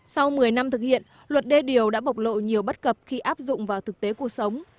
sau một mươi năm thực hiện luật đê điều đã bộc lộ nhiều bất cập khi áp dụng vào thực tế cuộc sống